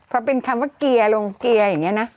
พอเป็นคำว่าเกียร์ลงเกียร์อย่างนี้นะ